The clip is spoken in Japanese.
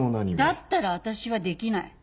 だったら私はできない。